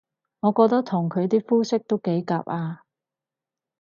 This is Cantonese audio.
我覺得同佢啲膚色都幾夾吖